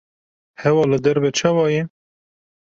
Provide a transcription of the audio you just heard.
Hewa li derve çawa ye?